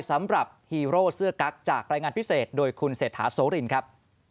ฮีโร่เสื้อกั๊กจากรายงานพิเศษโดยคุณเศรษฐาโสรินครับ